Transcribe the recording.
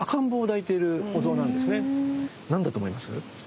実は何だと思います？